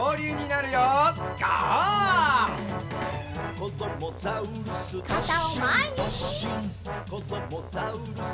「こどもザウルス